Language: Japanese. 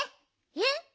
えっ！